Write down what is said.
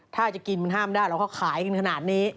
ถ้าจะกินมันห้ามได้หรอกเขาขายกันขนาดนี้